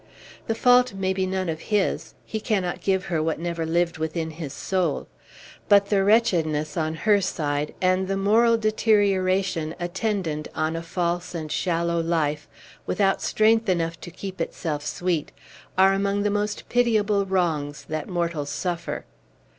The fault may be none of his; he cannot give her what never lived within his soul. But the wretchedness on her side, and the moral deterioration attendant on a false and shallow life, without strength enough to keep itself sweet, are among the most pitiable wrongs that mortals suffer.